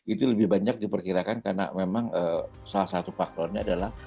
itu lebih banyak diperkirakan karena memang salah satu faktornya adalah